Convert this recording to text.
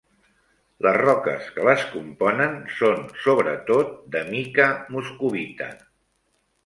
Les roques que les componen són, sobretot, de mica moscovita.